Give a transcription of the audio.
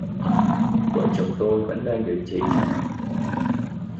Vợ chồng tôi vẫn đang điều trị cho Ngọc